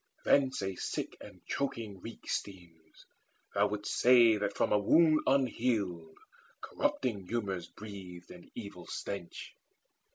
Thence a sick and choking reek Steams: thou wouldst say that from a wound unhealed Corrupting humours breathed an evil stench.